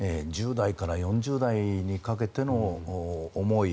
１０代から４０代にかけての思い